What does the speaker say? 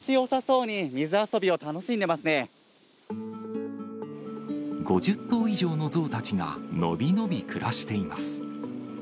気持ちよさそうに、水遊びを５０頭以上のゾウたちが伸び伸び暮らしています。